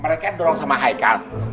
mereka dorong sama haika